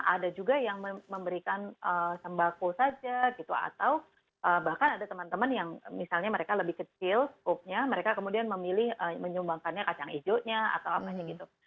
ada juga yang memberikan sembako saja gitu atau bahkan ada teman teman yang misalnya mereka lebih kecil skopnya mereka kemudian memilih menyumbangkannya kacang hijaunya atau apanya gitu